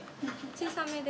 小さめで？